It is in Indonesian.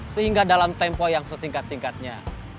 sehingga dalam tempo yang sesingkat singkatnya